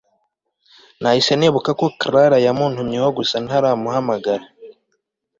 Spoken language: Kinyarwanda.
nahise nibuka ko Clara yamuntumyeho gusa ntaramuhamagara